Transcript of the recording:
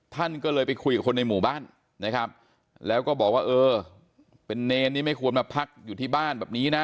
ท่านก็เลยไปคุยกับคนในหมู่บ้านนะครับแล้วก็บอกว่าเออเป็นเนรนี่ไม่ควรมาพักอยู่ที่บ้านแบบนี้นะ